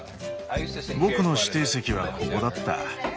僕の指定席はここだった。